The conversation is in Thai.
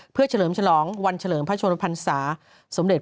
เพื่อเฉลิมฉลองวันเฉลิมพระชนมพันศาสมเด็จ